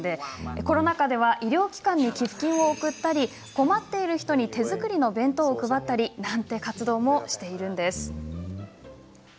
コロナ禍では医療機関に寄付金を送ったり困っている人に手作りの弁当を配ったりなんて活動もしているんです。